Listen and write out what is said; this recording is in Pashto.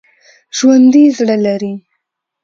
ژوندي زړه لري